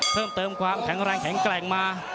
เพิ่มเติมความแข็งแรงแข็งแกร่งมา